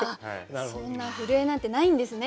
そんな震えなんてないんですね